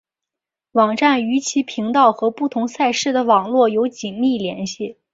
网站与其频道和不同赛事的网络有紧密联系。